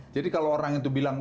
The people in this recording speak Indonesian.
jadi kalau orang itu bilang